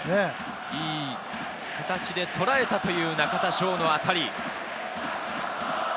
いい形でとらえたという中田翔の当たり。